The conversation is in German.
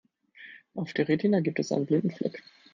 Auf der Retina gibt es einen blinden Fleck.